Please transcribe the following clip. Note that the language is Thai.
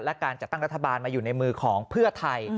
และการจัดตั้งรัฐบาลมาอยู่ในมือของเพื่อไทย